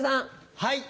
はい。